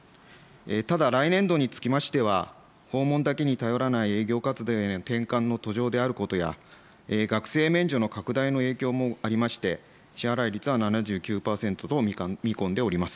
ただ、来年度につきましては、訪問だけに頼らない営業活動への転換の途上であることや、学生免除の拡大の影響もありまして、支払率は７９％と見込んでおります。